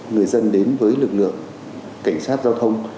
người dân đến với lực lượng cảnh sát giao thông